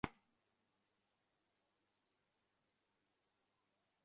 Success বালু, sir.